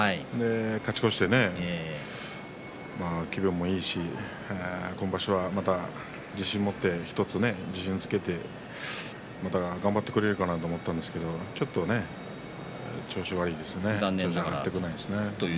勝ち越して器量もいいし今場所また自信を持って自信をつけてまた頑張ってくれるかなと思ったんですけれどちょっと調子が悪いですね。